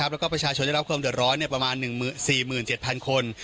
และประชาชนจะรับเข้าผมเดินร้อยประมาณ๑หมื่น๔๗๐๐๐คน